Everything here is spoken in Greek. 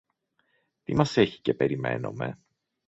Τι μας έχει και περιμένομε;